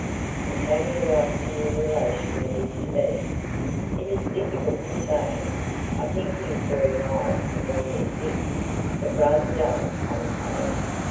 and how do you like the new relation that is to be?" "It's difficult to say. I think he's very nice in all his bits, but rather dull on the whole."